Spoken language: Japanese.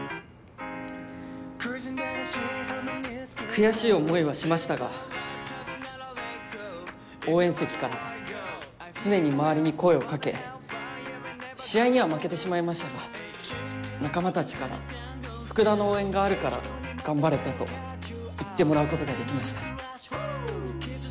悔しい思いはしましたが応援席から常に周りに声をかけ試合には負けてしまいましたが仲間たちから福田の応援があるから頑張れたと言ってもらうことができました。